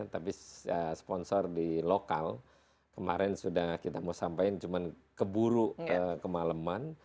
tapi sponsor di lokal kemarin sudah kita mau sampaikan cuman keburu kemaleman